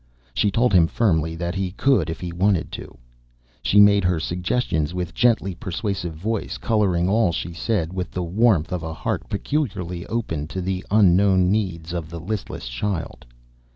She told him firmly that he could, if he wanted to. She made her suggestions with gently persuasive voice, coloring all she said with the warmth of a heart peculiarly open to the unknown needs of the listless child.